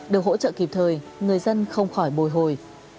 được hỗ trợ kịp thời người dân không khỏi bồi hồi